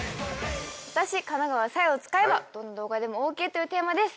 私金川紗耶を使えばどんな動画でもオーケーというテーマです。